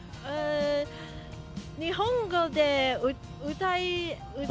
日本語で歌。